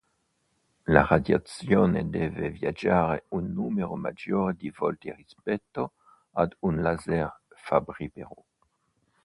La radiazione deve viaggiare un numero maggiore di volte rispetto ad un laser Fabry-Pérot.